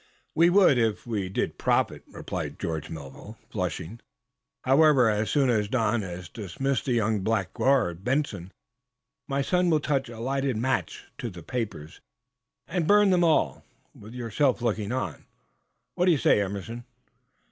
"We would, if we did profit," replied George Melville, flushing. "However, as soon as Don has dismissed the young blackguard, Benson, my son will touch a lighted match to the papers and burn them all, with yourself looking on. What do you say, Emerson?"